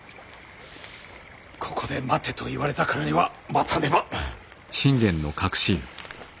ここで待てと言われたからには待たねば。